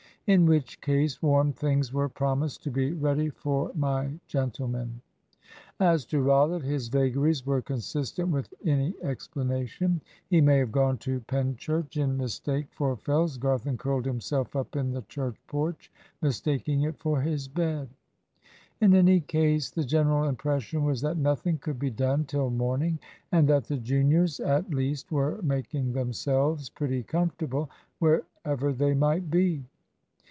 In which case warm things were promised to be ready for my gentlemen. As to Rollitt, his vagaries were consistent with any explanation. He may have gone to Penchurch in mistake for Fellsgarth, and curled himself up in the church porch, mistaking it for his bed. In any case the general impression was that nothing could be done till morning, and that the juniors at least were making themselves pretty comfortable, wherever they might be.